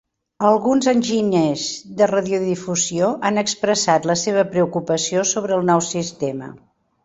Alguns enginyers de radiodifusió han expressat la seva preocupació sobre el nou sistema.